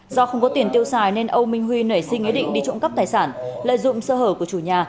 do không có tiền tiêu xài nên âu minh huy nảy sinh ý định đi trộm cắp tài sản lợi dụng sơ hở của chủ nhà